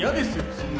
そんな。